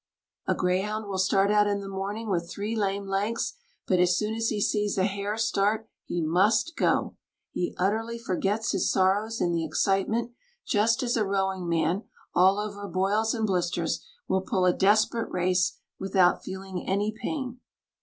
A greyhound will start out in the morning with three lame legs, but as soon as he sees a hare start he must go. He utterly forgets his sorrows in the excitement, just as a rowing man, all over boils and blisters, will pull a desperate race without feeling any pain.